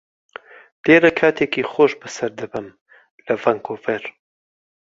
لێرە کاتێکی خۆش بەسەر دەبەم لە ڤانکوڤەر.